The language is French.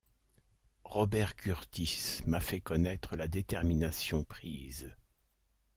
Robert Kurtis m’a fait connaître la détermination prise.